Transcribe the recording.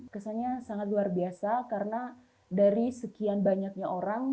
kesannya sangat luar biasa karena dari sekian banyaknya orang